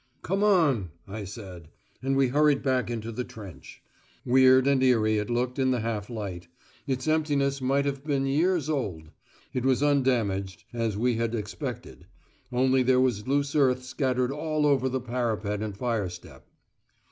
"Come on," I said, and we hurried back into the trench. Weird and eerie it looked in the half light; its emptiness might have been years old. It was undamaged, as we had expected; only there was loose earth scattered all over the parapet and fire step.